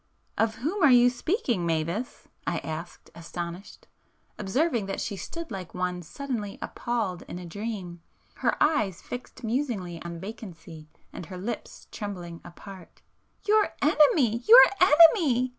"Of whom are you speaking, Mavis?" I asked astonished, observing that she stood like one suddenly appalled in a dream, her eyes fixed musingly on vacancy, and her lips trembling apart. "Your Enemy—your Enemy!"